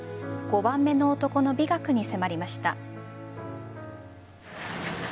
５番目の男の美学に迫りました。